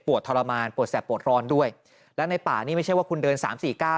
ทรมานปวดแสบปวดร้อนด้วยและในป่านี่ไม่ใช่ว่าคุณเดินสามสี่เก้า